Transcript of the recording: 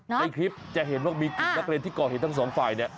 ในคลิปจะเห็นว่ามีกลุ่มนักเรียนที่ก่อเหตุทั้งสองฝ่ายเนี่ย